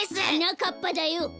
はなかっぱだよ。